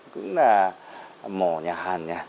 cũng là mở nhà hàng